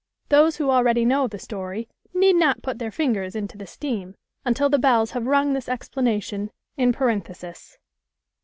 Those who already know the story need not put their fingers into the steam, until the bells have rung this explanation in parenthesis.